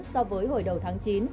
so với hồi đầu tháng chín